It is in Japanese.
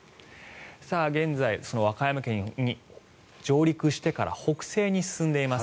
現在、和歌山県に上陸してから北西に進んでいます。